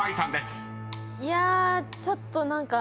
いやちょっと何か。